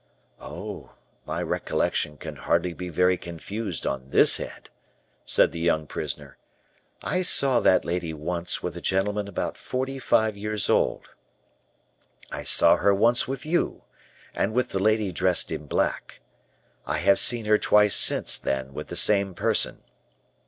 "Oh, my recollection can hardly be very confused on this head," said the young prisoner. "I saw that lady once with a gentleman about forty five years old. I saw her once with you, and with the lady dressed in black. I have seen her twice since then with the same person.